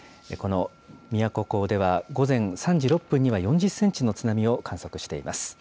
この宮古港では、午前３時６分には４０センチの津波を観測しています。